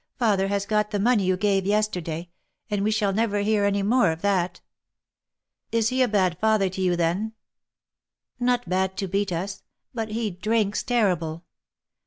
" Father has got the money you gave yesterday, and we shall never hear any more of that." " Is he a bad father to you then ?" 154 THE LIFE AND ADVENTURES " Not bad to beat us. But he drinks terrible."